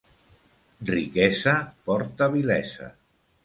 Riquesa porta vilesa.